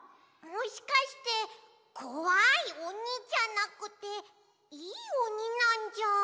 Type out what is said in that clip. もしかしてこわいおにじゃなくていいおになんじゃ。